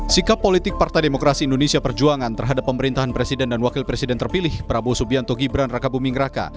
sikap politik partai demokrasi indonesia perjuangan terhadap pemerintahan presiden dan wakil presiden terpilih prabowo subianto gibran raka buming raka